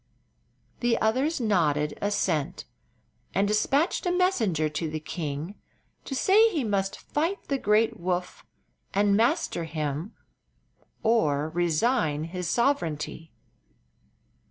The others nodded assent, and dispatched a messenger to the king to say he must fight the great Woof and master him or resign his sovereignty.